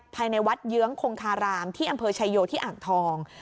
ภายในวัดเยื้องคงคารามที่อำเภอชายโยที่อ่างทอง